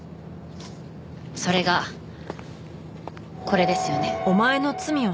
それがこれですよね。